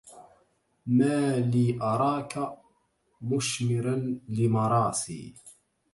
ما لي أراك مشمرا لمراسي